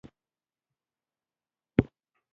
هخامنشیانو په دوره کې ایران اردن ښار نیسي.